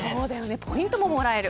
ポイントももらえる。